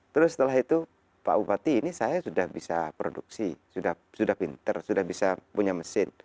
terus setelah itu pak bupati ini saya sudah bisa produksi sudah pinter sudah bisa punya mesin